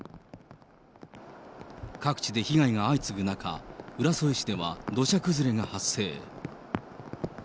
各地で被害が相次ぐ中、浦添市では土砂崩れが発生。